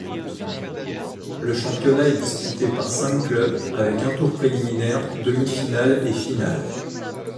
Le championnat est disputé par cinq clubs, avec un tour préliminaire, demi-finales et finale.